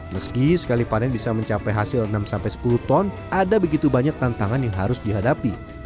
meski sekali panen bisa mencapai hasil enam sepuluh ton ada begitu banyak tantangan yang harus dihadapi